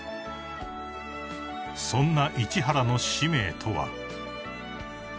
［そんな市原の使命とは］